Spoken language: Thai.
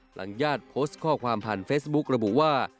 ญาติโพสต์ข้อความผ่านเฟซบุ๊กระบุว่า